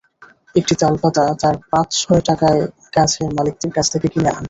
একটি তালপাতা তারা পাঁচ-ছয় টাকায় গাছের মালিকদের কাছ থেকে কিনে আনেন।